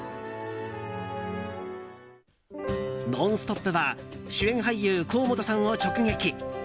「ノンストップ！」は主演俳優・甲本さんを直撃。